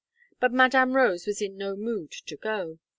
But Madame Rose was in no mood to go.